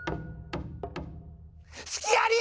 すきあり！